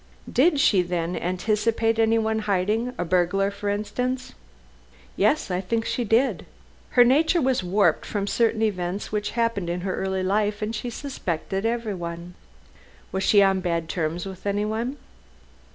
"Did she, then, anticipate anyone hiding a burglar, for instance?" "Yes, I think she did. Her nature was warped from certain events which happened in her early life, and she suspected everyone." "Was she on bad terms with anyone?"